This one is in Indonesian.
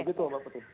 begitu pak putri